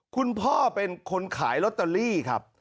คุณพ่อเป็นคนขายลอตเตอรี่ครับ